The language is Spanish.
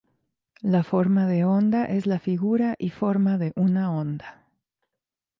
La forma de onda es la figura y forma de una onda.